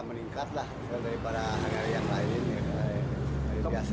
memastikan lebih murah di sini ini ya